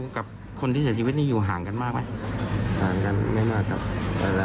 เรากับคนที่เสียชีวิตนี้อยู่ห่างกันมากไหมห่างกันไม่มากครับแล้วไม่ชอบนะครับแต่ทางไม่มากครับ